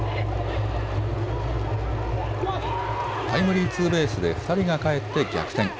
タイムリーツーベースで２人が帰って逆転。